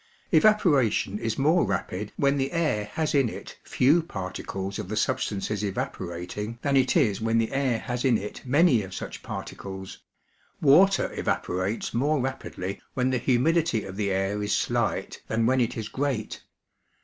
Evaporation is more rapid when the air has in it few particles of the substances evapo rating than it is when the air has in it many of such par ticles ; water evaporates more rapidly when the humidity of the air is sUght than when it is great.